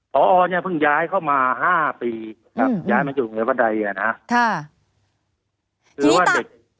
พอออเนี้ยเพิ่งย้ายเข้ามาห้าปีครับย้ายมาจุดเหนือพันธ์ใดอ่ะนะค่ะหรือว่าเด็ก